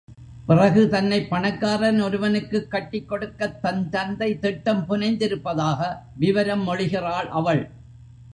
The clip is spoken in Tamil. பிறகு, தன்னைப் பணக்காரன் ஒருவனுக்குக் கட்டிக் கொடுக்கத் தன் தந்தை திட்டம் புனைந்திருப்பதாக விவரம் மொழிகிறாள் அவள்.